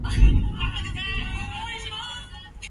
The process may have been essentially the same.